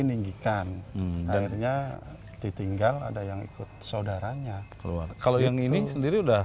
ninggikan akhirnya ditinggal ada yang ikut saudaranya keluar kalau yang ini sendiri udah